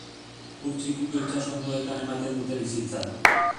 Ur txikiko itsas hondoetan ematen dute bizitza.